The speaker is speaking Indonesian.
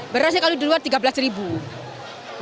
berasnya kalau di luar rp tiga belas ribu